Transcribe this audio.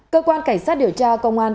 cơ quan cảnh sát điều tra công an